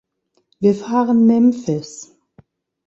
Wir fahren Memphis!